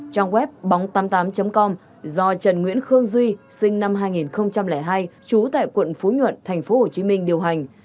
trang web bóng tám mươi tám com do trần nguyễn khương duy sinh năm hai nghìn hai trú tại quận phú nhuận tp hcm điều hành